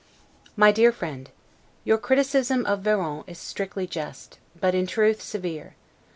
MY DEAR FRIEND: Your criticism of Varon is strictly just; but, in truth, severe.